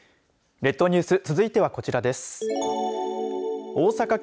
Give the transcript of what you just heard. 列島ニュース続いてはこちらです。